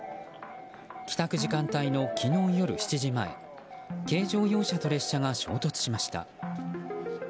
帰宅時間帯の昨日夜７時前軽乗用車と列車が衝突しました。